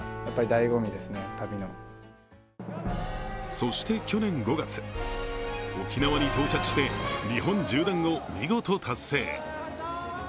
そして去年５月、沖縄に到着して日本縦断を見事達成。